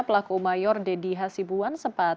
pelaku mayor deddy hasibuan sempat